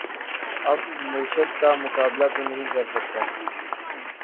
اب مرشد کا مقابلہ تو نہیں کر سکتا